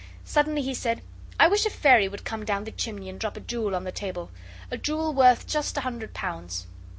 Suddenly he said, 'I wish a fairy would come down the chimney and drop a jewel on the table a jewel worth just a hundred pounds.